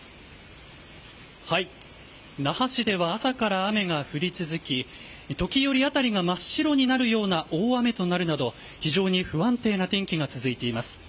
那覇市では朝から雨が降り続き時折辺りが真っ白になるような大雨となるなど非常に不安定な天気が続いています。